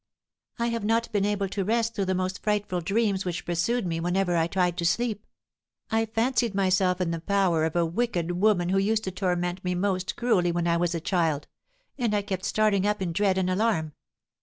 "I have not been able to rest through the most frightful dreams which pursued me whenever I tried to sleep. I fancied myself in the power of a wicked woman who used to torment me most cruelly when I was a child; and I kept starting up in dread and alarm.